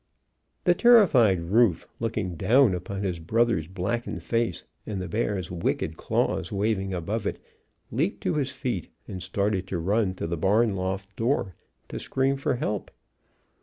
The terrified Rufe, looking down upon his brother's blackened face and the bear's wicked claws waving above it, leaped to his feet and started to run to the barn loft door, to scream for help.